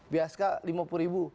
biaskan lima puluh ribu